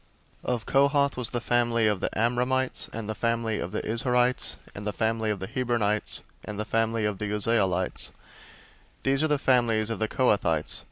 003:027 Of Kohath was the family of the Amramites, and the family of the Izharites, and the family of the Hebronites, and the family of the Uzzielites: these are the families of the Kohathites.